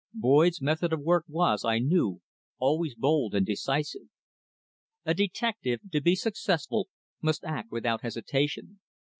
Boyd's method of work was, I knew, always bold and decisive. A detective, to be successful, must act without hesitation.